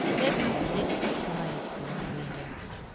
Let not this furprife you, reader